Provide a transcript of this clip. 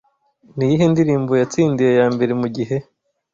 Niyihe ndirimbo yatsindiye yambere mugihe